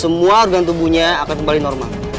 semua organ tubuhnya akan kembali normal